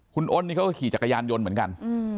คุณอ้นนี่เขาก็ขี่จักรยานยนต์เหมือนกัน